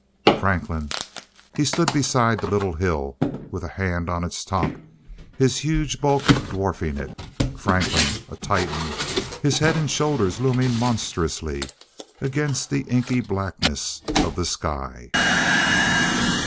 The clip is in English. Franklin! He stood beside the little hill, with a hand on its top, his huge bulk dwarfing it! Franklin, a titan, his head and shoulders looming monstrously against the inky blackness of the sky!